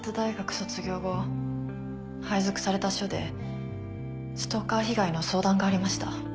卒業後配属された署でストーカー被害の相談がありました。